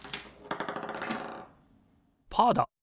パーだ！